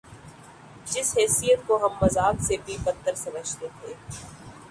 جس حیثیت کو ہم مذاق سے بھی بد تر سمجھتے تھے۔